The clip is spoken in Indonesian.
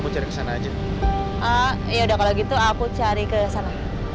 terima kasih ya